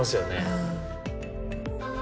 うん。